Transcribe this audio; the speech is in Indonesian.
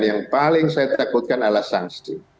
yang paling saya takutkan adalah sanksi